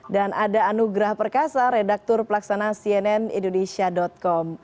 dan ada anugrah perkasa redaktur pelaksana cnn indonesia com